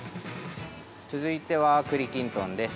続いては、栗きんとんです。